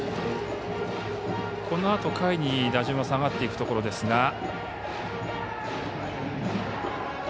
このあと下位に打順は下がっていくところですが。